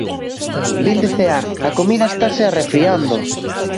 Vinde cear, a comida estase arrefriando.